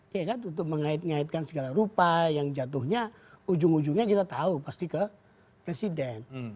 ya kan untuk mengait ngaitkan segala rupa yang jatuhnya ujung ujungnya kita tahu pasti ke presiden